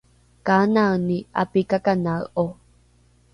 kanani ’apikakanae’o?